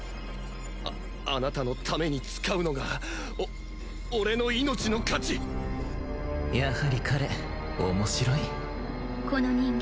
ああなたのために使うのがお俺の命の価値やはり彼面白いこの人間